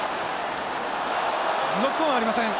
ノックオンはありません。